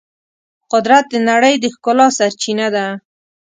قدرت د نړۍ د ښکلا سرچینه ده.